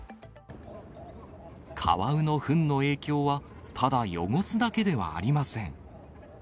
カワウのふんの影響は、ただ汚すだけではありません。